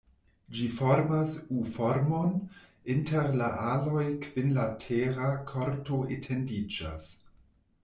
Ĝi formas U-formon, inter la aloj kvinlatera korto etendiĝas.